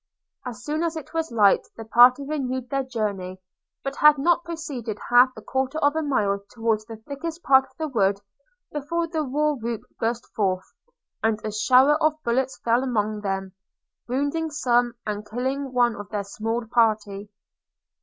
As soon as it was light the party renewed their journey, but had not proceeded half a quarter of a mile towards the thickest part of the wood before the war whoop burst forth; and a shower of bullets fell among them, wounding some, and killing one of their small party.